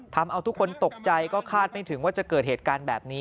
ทำเอาทุกคนตกใจก็คาดไม่ถึงว่าจะเกิดเหตุการณ์แบบนี้